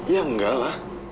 ya enggak lah